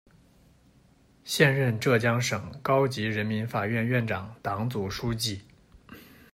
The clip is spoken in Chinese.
现任浙江省高级人民法院院长、党组书记。